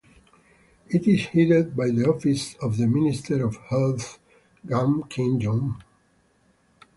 It is headed by the office of the Minister of Health, Gan Kim Yong.